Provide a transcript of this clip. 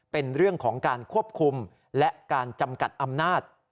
เป็นเรื่องของการควบคุมและการจำกัดอำนาจ